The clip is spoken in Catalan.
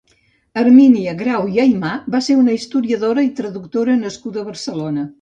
Hermínia Grau i Aymà va ser una historiadora i traductora nascuda a Barcelona.